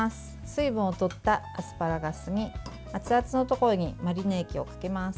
水分を取ったアスパラガスに熱々のところにマリネ液をかけます。